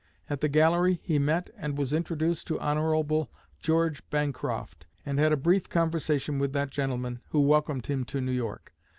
At the gallery he met and was introduced to Hon. George Bancroft, and had a brief conversation with that gentleman, who welcomed him to New York.